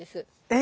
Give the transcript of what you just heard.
え